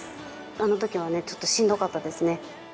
あのときはね、ちょっとしんどかったですね。